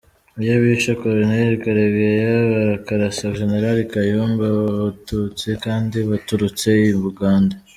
Iyo bishe Colonel Karegeya bakarasa General Kayumba b’abatutsi kandi baturutse i Bugande.